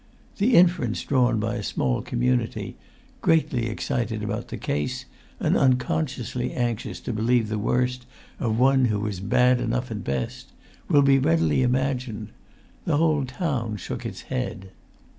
The inference drawn by a small community, greatly excited about the case, and unconsciously anxious to believe the worst of one who was bad enough at best, will be readily imagined. The whole town shook its head.